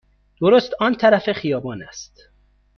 درست آن طرف خیابان است.